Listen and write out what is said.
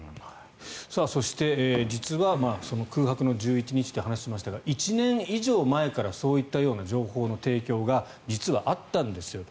そして、実は空白の１１日と話しましたが１年以上前からそういったような情報の提供が実はあったんですよと。